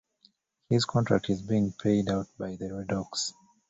His contract is being paid out by the Redhawks.